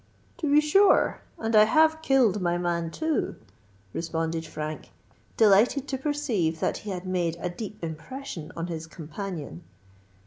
"To be sure! and I have killed my man, too," responded Frank, delighted to perceive that he had made a deep impression on his companion.